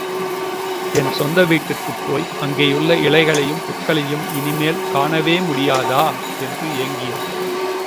என் சொந்த வீட்டிற்குப் போய் அங்கேயுள்ள இலைகளையும், புற்களையும் இனிமேல் காணவே முடியாதா? என்று ஏங்கியது.